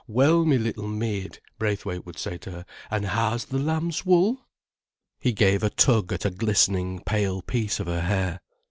"Well, me little maid," Braithwaite would say to her, "an' how's th' lamb's wool?" He gave a tug at a glistening, pale piece of her hair.